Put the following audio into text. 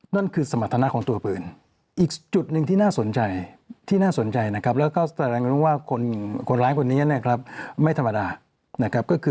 นั่นคือสมรรถนะของตัวปืน